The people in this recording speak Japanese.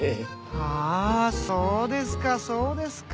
あそうですかそうですか。